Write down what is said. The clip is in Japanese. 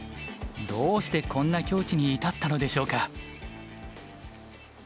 どうしてこんな境地に至ったのでしょうか？